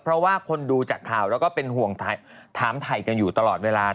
เพราะว่าคนดูจากข่าวแล้วก็เป็นห่วงถามถ่ายกันอยู่ตลอดเวลา